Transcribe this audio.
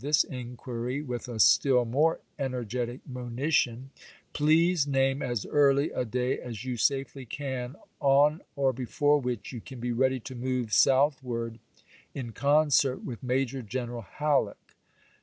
" this inquiry with a still more energetic monition :" Please name as early a day as you safely can on or before which j^ou can be ready to move south ward in concert with Major General Halleck.